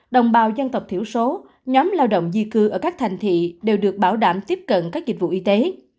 đồng bào dân tộc thiểu số nhóm lao động di cư ở các thành thị đều được bảo đảm tiếp cận các dịch vụ y tế